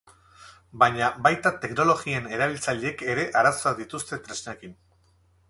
Baina baita teknologien erabiltzaileek ere arazoak dituzte tresnekin.